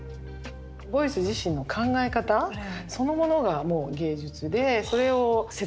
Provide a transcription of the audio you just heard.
ボイス自身の考え方そのものがもう芸術でそれを説明しているものであって。